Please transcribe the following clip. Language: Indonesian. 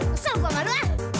kesel gua malu ah